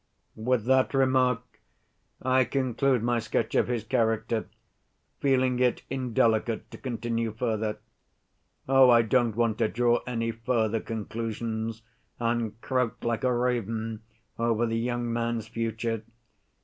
"With that remark I conclude my sketch of his character, feeling it indelicate to continue further. Oh, I don't want to draw any further conclusions and croak like a raven over the young man's future.